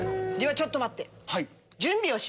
ではちょっと待って。